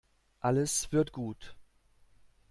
Alles wird gut.